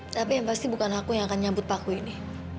tapi yang pasti bukan aku yang akan nyambut paku ini